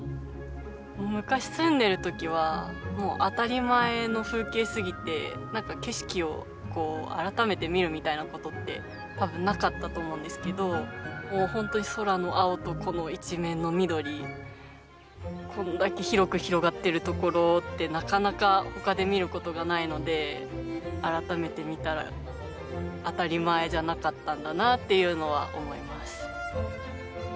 昔住んでる時はもう当たり前の風景すぎて何か景色をこう改めて見るみたいなことって多分なかったと思うんですけどもう本当に空の青とこの一面の緑こんだけ広く広がってるところってなかなかほかで見ることがないので改めて見たら当たり前じゃなかったんだなっていうのは思います。